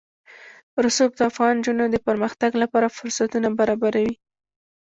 رسوب د افغان نجونو د پرمختګ لپاره فرصتونه برابروي.